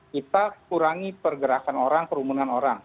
kita kurangi pergerakan orang kerumunan orang